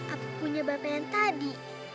apa punya bapen tadi